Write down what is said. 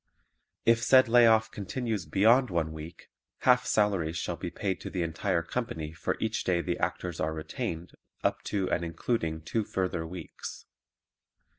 If said lay off continues beyond one week, half salaries shall be paid to the entire company for each day the Actors are retained up to and including two further weeks.